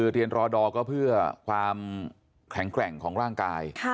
เรียนรอดอร์ก็เพื่อความแข็งแกร่งของร่างกาย